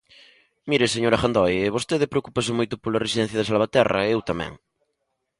Mire, señora Gandoi, vostede preocúpase moito pola residencia de Salvaterra e eu tamén.